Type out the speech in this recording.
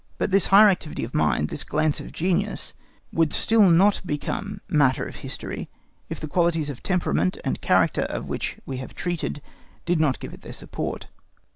But this higher activity of the mind, this glance of genius, would still not become matter of history if the qualities of temperament and character of which we have treated did not give it their support.